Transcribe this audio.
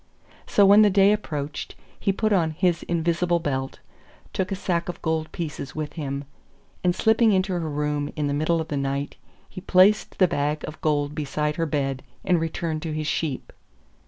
So when the day approached he put on his invisible belt, took a sack of gold pieces with him, and slipping into her room in the middle of the night, he placed the bag of gold beside her bed and returned to his sheep.